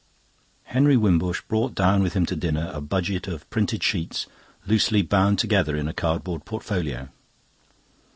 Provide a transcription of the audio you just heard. Henry Wimbush brought down with him to dinner a budget of printed sheets loosely bound together in a cardboard portfolio.